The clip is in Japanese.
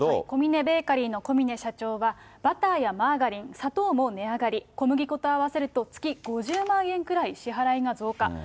コミネベーカリーの小嶺社長は、バターやマーガリン、砂糖も値上がり、小麦粉と合わせると月５０万円ぐらい支払いが増加。